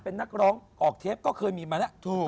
เป็นนักร้องออกเทปก็เคยมีมาแล้วถูก